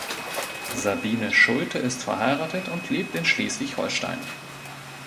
Sabine Schulte ist verheiratet und lebt in Schleswig-Holstein.